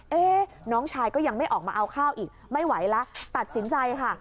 เอ๊ะน้องชายก็ยังไม่ออกมาเอาข้าวอีกไม่ไหวแล้วตัดสินใจค่ะ